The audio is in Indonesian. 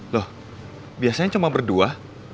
loh biasanya cuma berdua